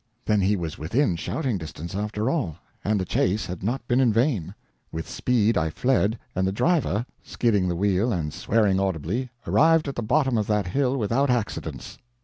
Then he was within shouting distance, after all, and the chase had not been in vain. With speed I fled, and the driver, skidding the wheel and swearing audibly, arrived at the bottom of that hill without accidents.